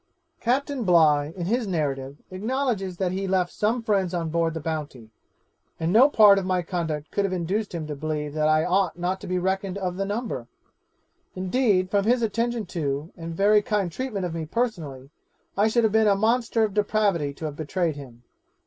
'Captain Bligh in his narrative acknowledges that he had left some friends on board the Bounty, and no part of my conduct could have induced him to believe that I ought not to be reckoned of the number. Indeed from his attention to and very kind treatment of me personally, I should have been a monster of depravity to have betrayed him.